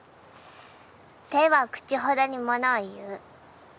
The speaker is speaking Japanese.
手は口ほどに物を言う。